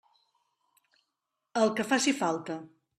El que faci falta.